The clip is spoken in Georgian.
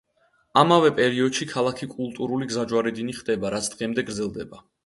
ამავე პერიოდში ქალაქი კულტურული გზაჯვარედინი ხდება, რაც დღემდე გრძელდება.